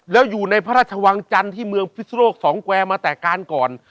แล้วอยู่ในพระราชวังจันทร์ที่เมืองพิศนโลกสองแควร์มาแต่การก่อน